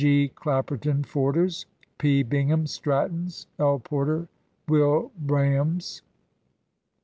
G. Clapperton (Forder's). P. Bingham (Stratton's). L. Porter (Wilbraham's)."